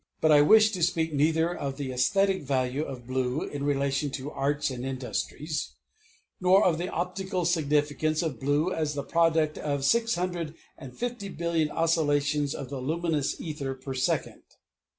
II But I wish to speak neither of the æsthetic value of blue in relation to arts and industries, nor of the optical significance of blue as the product of six hundred and fifty billion oscillations of the luminous ether per second.